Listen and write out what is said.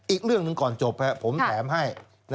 อีกเรื่องหนึ่งก่อนจบผมแถมให้